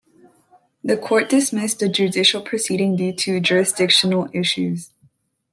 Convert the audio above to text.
The court dismissed the judicial proceeding due to jurisdictional issues.